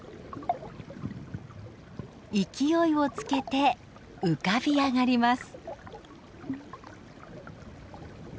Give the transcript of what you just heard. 勢いをつけて浮かび上がります。